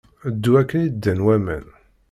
Ddu akken i ddan waman.